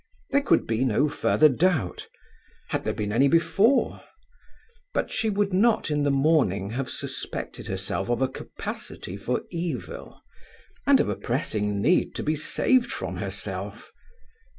There could be no further doubt. Had there been any before? But she would not in the morning have suspected herself of a capacity for evil, and of a pressing need to be saved from herself.